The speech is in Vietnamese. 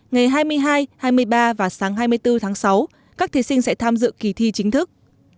ngày hai mươi hai hai mươi ba và sáng hai mươi bốn tháng sáu các thí sinh sẽ tham dự kỳ thi chính thức